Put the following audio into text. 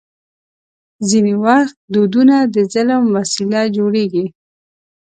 ځینې وخت دودونه د ظلم وسیله جوړېږي.